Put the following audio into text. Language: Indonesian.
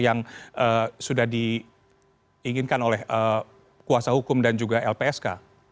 yang sudah diinginkan oleh kuasa hukum dan juga lpsk